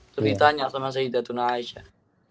teritanya sama sayyidatuna aisyah